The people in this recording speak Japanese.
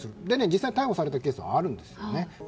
実際逮捕されたケースはあるんです。